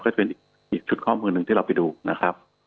ก็จะเป็นอีกชุดข้อมูลหนึ่งที่เราไปดูนะครับ